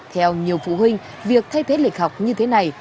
theo nhiều phụ huynh việc thay thế lịch học như thế này